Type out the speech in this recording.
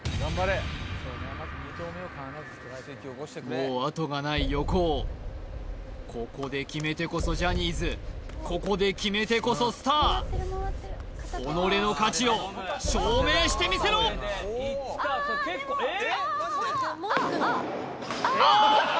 もうあとがない横尾ここで決めてこそジャニーズここで決めてこそスター己の価値を証明してみせろあーっと！